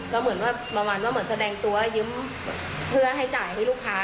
ก็เหมือนว่าแบบแสดงตัวเพื่อให้จ่ายให้ลูกค้า